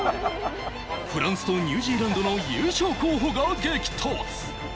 フランスとニュージーランドの優勝候補が激突。